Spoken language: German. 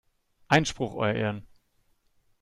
Einspruch, euer Ehren!